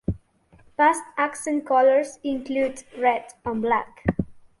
Past accent colors included red, and black.